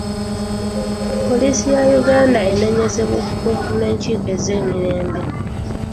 Poliisi ya Uganda enenyezeddwa okugumbulula enkiiko ez'emirembe.